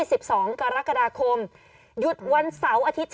กล้องกว้างอย่างเดียว